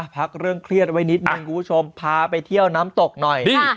พักเรื่องเครียดไว้นิดนึงคุณผู้ชมพาไปเที่ยวน้ำตกหน่อย